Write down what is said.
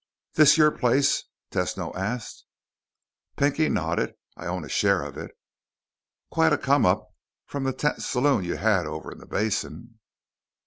"This your place?" Tesno asked. Pinky nodded. "I own a share of it." "Quite a come up from the tent saloon you had over in the basin."